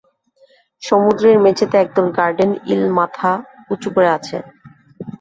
সমুদ্রের মেঝেতে একদল গার্ডেন ঈল মাথা উঁচু করে আছে।